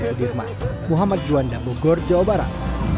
ke dirman muhammad juwanda bogor jawa barat